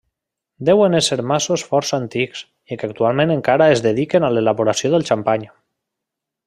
Deuen ésser masos força antics i que actualment encara es dediquen a l'elaboració del xampany.